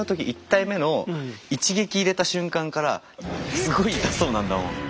１体目の一撃入れた瞬間からすごい痛そうなんだもん。